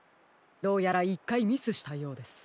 どうやら１かいミスしたようです。